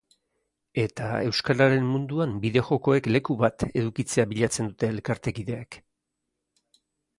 eta euskararen munduan bideojokoek leku bat edukitzea bilatzen dute elkartekideek